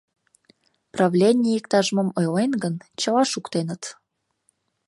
Правлений иктаж-мом ойлен гын, чыла шуктеныт.